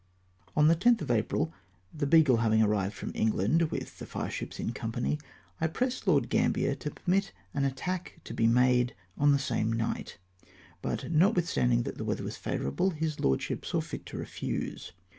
On the 10th of April, the Beagle, having arrived from England with the fireships in company, I pressed Lord Gambler to permit an attack to be made on the same night ; but, notwithstanding that the weather was favourable, his lordship saw fit to refuse.